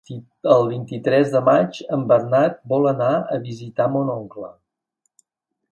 El vint-i-tres de maig en Bernat vol anar a visitar mon oncle.